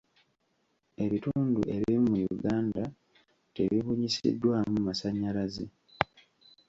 Ebitundu ebimu mu Uganda tebibunyisiddwamu masannyalaze.